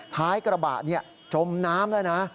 ท้ายกระบะจมน้ำแล้วนะ